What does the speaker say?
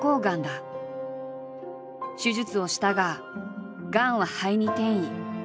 手術をしたががんは肺に転移。